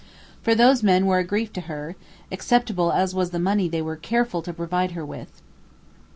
For those men were a grief to her, acceptable as was the money they were careful to provide her with.